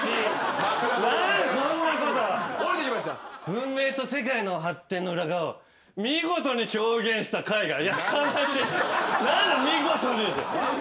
「文明と世界の発展の裏側を見事に表現した絵画」